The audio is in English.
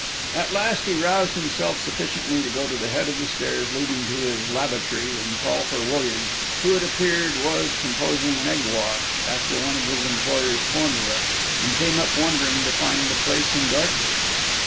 At last he roused himself sufficiently to go to the head of the stairs leading to his "labatry," and call for William, who, it appeared, was composing an egg wash, after one of his employer's formulæ, and came up, wondering to find the place in darkness.